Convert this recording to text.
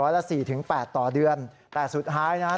๑๐๐ละ๔๘ต่อเดือนแต่สุดท้ายนะครับ